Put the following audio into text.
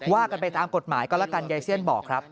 ว่ากันไปตามกฎหมายก็แล้วกันยายเซียนบอกครับ